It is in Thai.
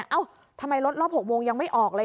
เอ้าทำไมรถรอบ๖โมงยังไม่ออกเลย